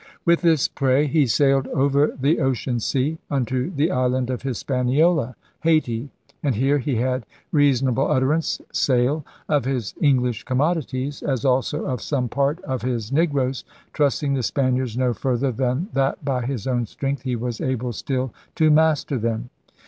... With this prey he sailed over the ocean sea unto the island of Hispaniola [Hayti] ... and here he had reasonable utterance [sale] of his English commodities, as also of some part of his Negroes, trusting the Spaniards no further than that by his own strength he was able still to master them.'